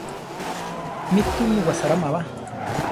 Mi túu ni wasaráma ba.